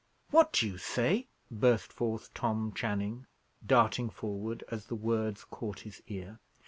"What do you say?" burst forth Tom Channing, darting forward as the words caught his ear.